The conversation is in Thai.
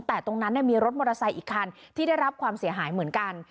แต่ตรงนั้นมีรถมอเตอร์ไซค์อีกคันที่ได้รับความเสียหายเหมือนกัน